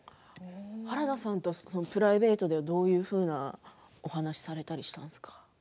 原田さんとプライベートではどのようなお話をされたりしたんですか。